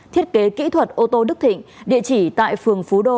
thiết kế kỹ thuật ô tô đức thịnh địa chỉ tại phường phú đô